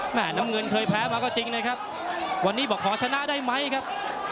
น้ำเงินเคยแพ้มาก็จริงนะครับวันนี้บอกขอชนะได้ไหมครับ